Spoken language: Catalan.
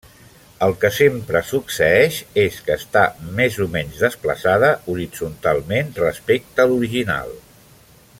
El que sempre succeeix és que està més o menys desplaçada horitzontalment respecte a l'original.